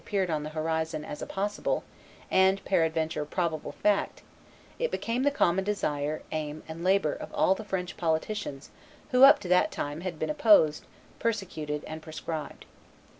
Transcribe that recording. appeared on the horizon as a possible, and, peradventure, probable fact, it became the common desire, aim, and labor of all the French politicians who up to that time had been opposed, persecuted, and proscribed.